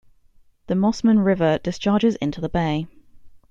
The Mossman River discharges into the bay.